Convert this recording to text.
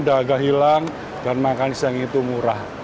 dagah hilang dan makan siang itu murah